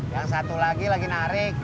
yang satu lagi lagi narik